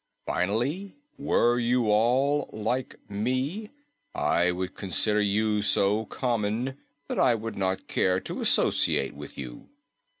Finally, were you all like me, I would consider you so common that I would not care to associate with you.